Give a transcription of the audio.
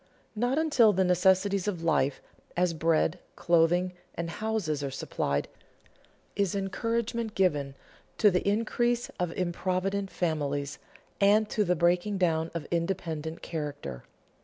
Not until the necessities of life, as bread, clothing, and houses, are supplied, is encouragement given to the increase of improvident families and to the breaking down of independent character.